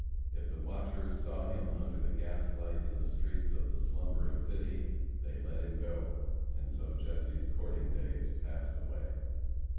If the watchers saw him under the gaslight in the streets of the slumbering city, they let him go, and so Jesse's courting days passed away.